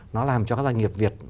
nó làm cho các doanh nghiệp việt